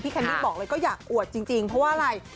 แคนดี้บอกเลยก็อยากอวดจริงเพราะว่าอะไร